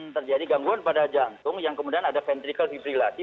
terjadi gangguan pada jantung yang kemudian ada ventricle fibrillasi